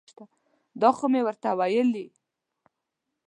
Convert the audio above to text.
دا خو مې ورته ویلي.